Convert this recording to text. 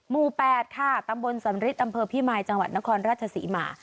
มู๘ค่ะตำบลสันฤทธิ์อำเภอพี่มายจังหวัดนครราชศรีหม่า